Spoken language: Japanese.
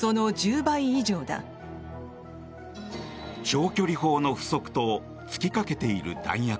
長距離砲の不足と尽きかけている弾薬。